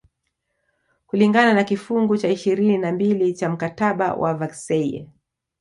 kulingana na kifungu cha ishirini na mbili cha mkataba wa Versailles